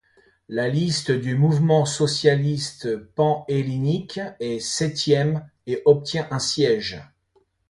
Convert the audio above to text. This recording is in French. La liste du Mouvement socialiste panhellénique est septième et obtient un siège.